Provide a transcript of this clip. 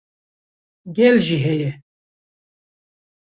gel jî heye